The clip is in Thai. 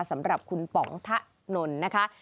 สำหรับคุณป๋องทะนนท์นะคะ